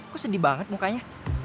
kok sedih banget mukanya